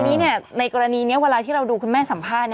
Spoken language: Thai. ทีนี้ในกรณีนี้เวลาที่เราดูคุณแม่สัมภาษณ์